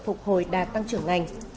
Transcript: phục hồi đạt tăng trưởng ngành